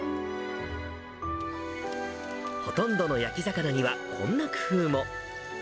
ほとんどの焼き魚にはこんな工夫も。